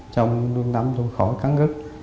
trong lương tâm tôi khỏi cắn gứt